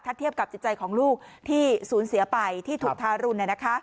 ถ้าเทียบกับจิตใจของลูกที่สูญเสียไปที่ถูกทารุณ